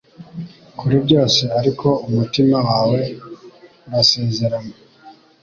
kuri byose ariko umutima wawe urasezerana